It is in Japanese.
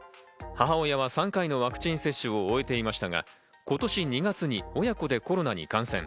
母親は３回のワクチン接種を終えていましたが、今年２月に親子でコロナに感染。